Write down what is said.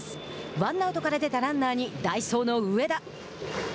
ワンアウトから出たランナーに代走の植田。